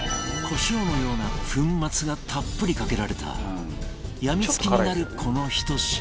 コショウのような粉末がたっぷりかけられた病み付きになるこのひと品